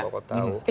kok kau tahu